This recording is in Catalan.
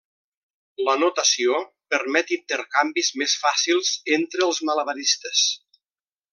La notació permet intercanvis més fàcils entre els malabaristes.